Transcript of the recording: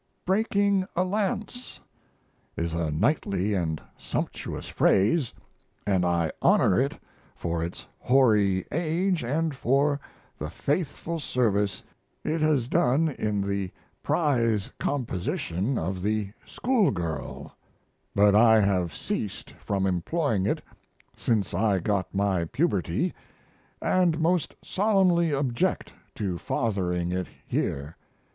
... "Breaking a lance" is a knightly & sumptuous phrase, & I honor it for its hoary age & for the faithful service it has done in the prize composition of the school girl, but I have ceased from employing it since I got my puberty, & must solemnly object to fathering it here.